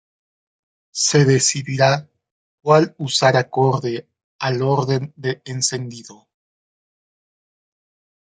Se decidirá cual usar acorde al orden de encendido.